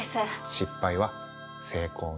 「失敗は成功の母」。